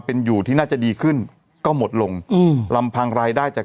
เป็นอยู่ที่น่าจะดีขึ้นก็หมดลงอืมลำพังรายได้จาก